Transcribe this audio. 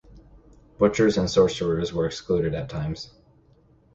Butchers and sorcerers were also excluded at times.